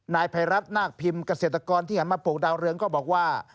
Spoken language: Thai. นายภัยรัฐนาคพิมพ์เกษตรกรที่หันมาปลูกดาวเรืองก็บอกว่า